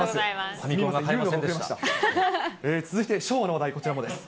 ファミコンが買えませんでし続いて昭和の話題、こちらもです。